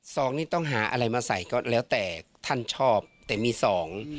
สองนี่ต้องหาอะไรมาใส่ก็แล้วแต่ท่านชอบแต่มีสอง